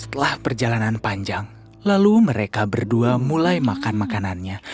setelah perjalanan panjang lalu mereka berdua mulai makan makanannya